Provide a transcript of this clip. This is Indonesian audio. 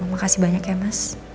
makasih banyak ya mas